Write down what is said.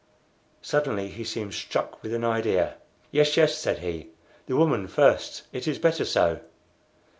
Suddenly he seemed struck with an idea. "Yes, yes," said he. "The woman first. It is better so."